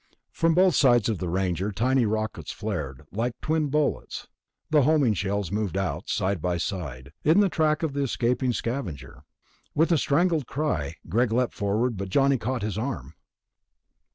From both sides of the Ranger, tiny rockets flared. Like twin bullets the homing shells moved out, side by side, in the track of the escaping Scavenger. With a strangled cry, Greg leaped forward, but Johnny caught his arm.